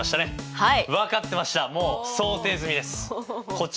はい。